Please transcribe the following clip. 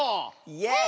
イエイ！